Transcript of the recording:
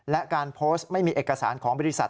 และการโพสต์ไม่มีเอกสารของบริษัท